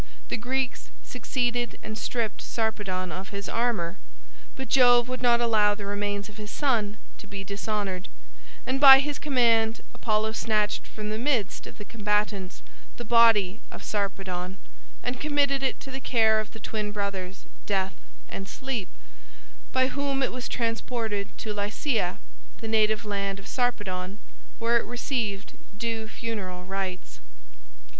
The Greeks succeeded and stripped Sarpedon of his armor; but Jove would not allow the remains of his son to be dishonored, and by his command Apollo snatched from the midst of the combatants the body of Sarpedon and committed it to the care of the twin brothers Death and Sleep, by whom it was transported to Lycia, the native land of Sarpedon, where it received due funeral rites.